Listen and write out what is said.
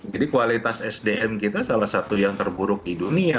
jadi kualitas sdm kita salah satu yang terburuk di dunia